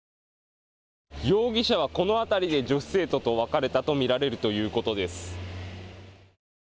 容疑者はこの辺りで女子生徒と別れたと見られるということです。